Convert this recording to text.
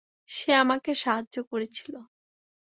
সে আমাকে সাহায্য করেছিল।